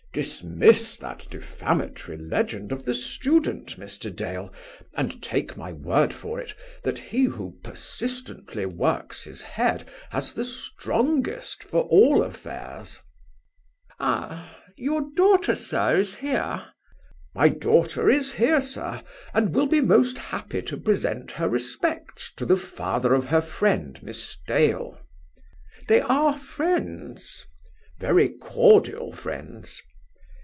"Dismiss that defamatory legend of the student, Mr. Dale; and take my word for it, that he who persistently works his head has the strongest for all affairs." "Ah! Your daughter, sir, is here?" "My daughter is here, sir, and will be most happy to present her respects to the father of her friend, Miss Dale." "They are friends?" "Very cordial friends."